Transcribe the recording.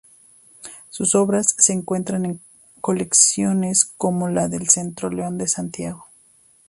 Sus obras se encuentran en colecciones como la del Centro León de Santiago.